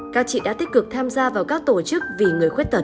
các chị đã tích cực tham gia vào các tổ chức vì người khuyết tật